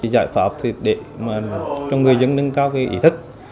giải pháp để cho người dân nâng cao ý thức